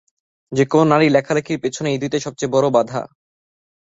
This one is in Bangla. যেকোনো নারীর লেখালেখির পেছনে এই দুইটাই সবচেয়ে বড় বাধা।